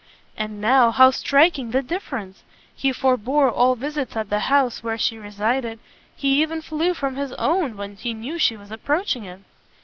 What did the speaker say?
And now, how striking the difference! he forbore all visits at the house where she resided, he even flew from his own when he knew she was approaching it!